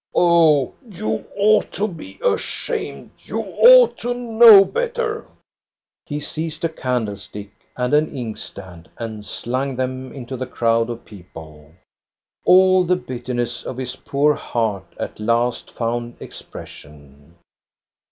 Oh, you ought to be ashamed ! You ought to know better !" He seized a candlestick, and an inkstand, and slung them into the crowd of people. All the bitterness of his poor heart at last found ex pression.